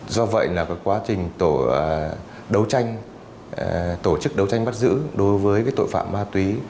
do vậy là quá trình tổ chức đấu tranh bắt giữ đối với tội phạm ma túy